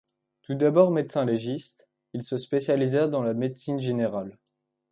Tout d'abord médecin-légiste, il se spécialisa dans la médecine générale.